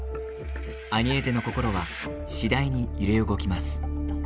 アニェーゼの心は次第に揺れ動きます。